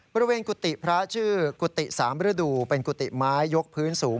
กุฏิพระชื่อกุฏิ๓ฤดูเป็นกุฏิไม้ยกพื้นสูง